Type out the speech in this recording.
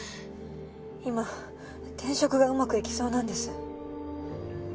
今転職がうまくいきそうなんです。